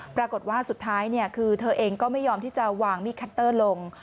ปรากฏว่าสุดท้ายคือเธอเองก็ไม่ยอมที่จะวางมีดคัตเตอร์ลง